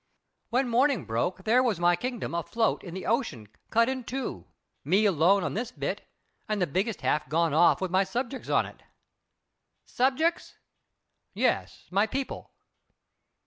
When mornin' broke there was my kingdom afloat in the ocean cut in two, me alone on this bit and the biggest half gone off with my subjects on it." "Subjects?" "Yes, my people."